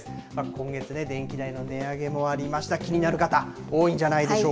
今月ね、電気代の値上げもありました、気になる方、多いんじゃないでしょ